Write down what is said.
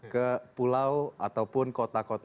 ke pulau ataupun kota kota